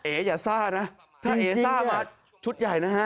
อย่าซ่านะถ้าเอ๋ซ่ามาชุดใหญ่นะฮะ